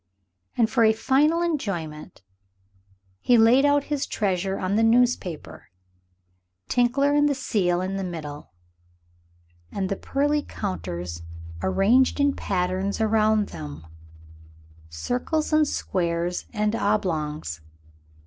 And for a final enjoyment he laid out his treasures on the newspaper Tinkler and the seal in the middle and the pearly counters arranged in patterns round them, circles and squares and oblongs.